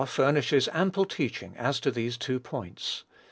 furnishes ample teaching as to these two points.